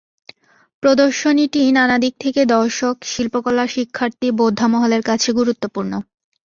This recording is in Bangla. প্রদর্শনীটি নানা দিক থেকে দর্শক, শিল্পকলার শিক্ষার্থী, বোদ্ধা মহলের কাছে গুরুত্বপূর্ণ।